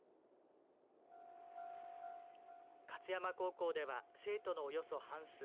勝山高校では生徒のおよそ半数。